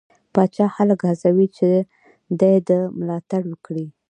پاچا خلک هڅوي چې دې ده ملاتړ وکړي.